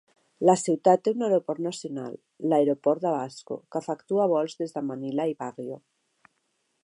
La ciutat té un aeroport nacional, l'aeroport de Basco, que efectua vols des de Manila i Baguio.